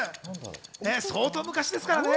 相当昔ですからね。